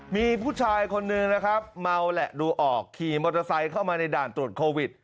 มีผู้ชายคนนึงนะครับเมาแหละดูออกขี่มอเตอร์ไซค์เข้ามาในด่านตรวจโควิด